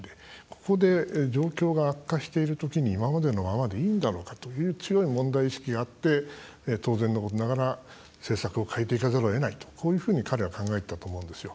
ここで状況が悪化しているときに今までのままでいいんだろうかという強い問題意識があって当然のことながら政策を変えていかざるをえないとこういうふうに彼は考えてたと思うんですよ。